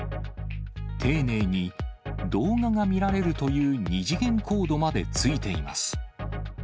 丁寧に、動画が見られるという二次元コードまで付いています。